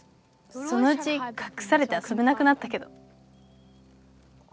そのうちかくされてあそべなくなったけど」。